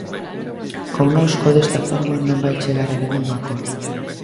Connosco desta forma non vai chegar a ningún acordo.